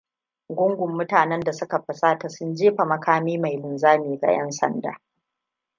Gungun mutanen da suka fusata sun jefa makami mai linzami ga 'yan sanda.